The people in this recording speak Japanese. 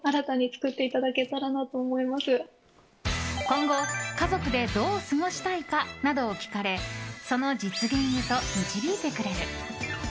今後、家族でどう過ごしたいかなどを聞かれその実現へと導いてくれる。